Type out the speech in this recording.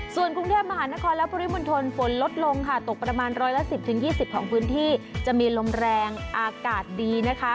ส่วนกรุงเทพมหานครและปริมณฑลฝนลดลงค่ะตกประมาณร้อยละ๑๐๒๐ของพื้นที่จะมีลมแรงอากาศดีนะคะ